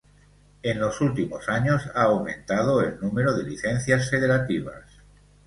En los últimos años ha aumentado el número de licencias federativas.